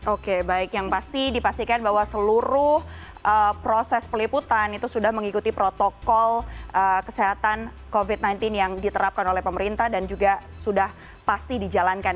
oke baik yang pasti dipastikan bahwa seluruh proses peliputan itu sudah mengikuti protokol kesehatan covid sembilan belas yang diterapkan oleh pemerintah dan juga sudah pasti dijalankan